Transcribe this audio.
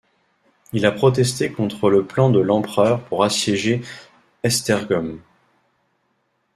Il a protesté contre le plan de l'Empereur pour assiéger Esztergom.